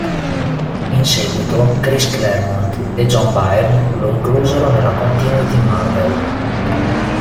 In seguito Chris Claremont e John Byrne lo inclusero nella continuity Marvel.